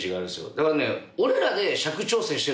だからね。